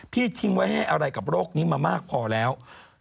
ทิ้งไว้ให้อะไรกับโรคนี้มามากพอแล้ว